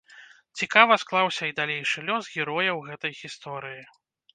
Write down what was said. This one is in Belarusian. Цікава склаўся і далейшы лёс герояў гэтай гісторыі.